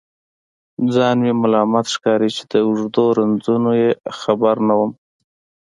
ځان مې ملامت ښکاري چې د اوږدو رنځونو یې خبر نه وم.